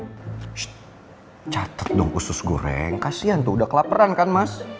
cht catet dong usus goreng kasian tuh udah kelaperan kan mas